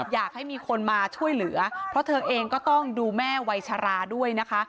อยากให้มีคนมาช่วยเหลือเพราะเธอเองก็ต้องดูแม่วัยชราด้วยนะคะ